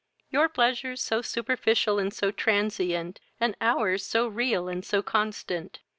your pleasures so superficial and so transient, and our's so real and so constant!